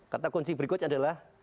kata kunci berikutnya adalah